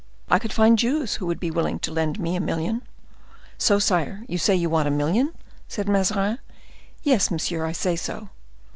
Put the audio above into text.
I could find Jews who would be willing to lend me a million." "So, sire, you say you want a million?" said Mazarin. "Yes, monsieur, I say so."